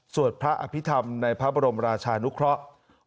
สวดพระอภิษฐรรมในพระบรมราชานุเคราะห์